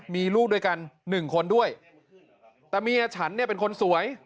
มีลูกด้วยกันหนึ่งคนด้วยแต่เมียฉันเนี่ยเป็นคนสวย